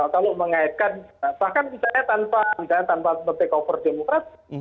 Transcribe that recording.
kalau mengaitkan bahkan misalnya tanpa berdekover demokrasi